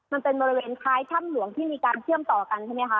บริเวณท้ายถ้ำหลวงที่มีการเชื่อมต่อกันใช่ไหมคะ